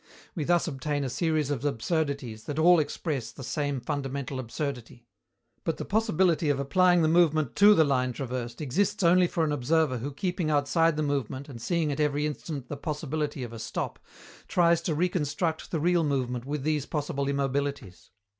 We thus obtain a series of absurdities that all express the same fundamental absurdity. But the possibility of applying the movement to the line traversed exists only for an observer who keeping outside the movement and seeing at every instant the possibility of a stop, tries to reconstruct the real movement with these possible immobilities.